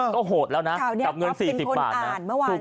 ก็โหดแล้วนะกับเงิน๔๐บาทนะ